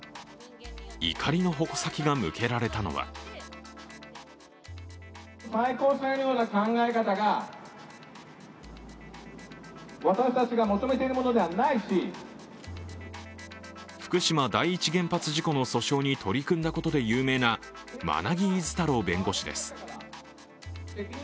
怒りの矛先が向けられたのは福島第一原発事故の訴訟に取り組んだことで有名な馬奈木厳太郎弁護士です。